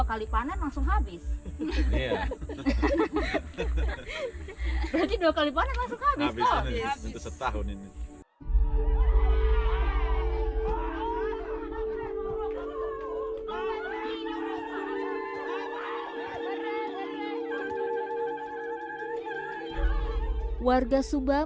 apa yang bikin susah